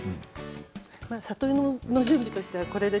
里芋の準備としてはこれで。